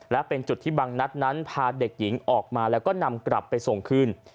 และเป็นจุดที่บางนัดนั้นพาเด็กหญิงออกมาแล้วก็นำกลับไปส่งคืน